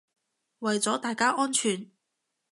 為咗大家安全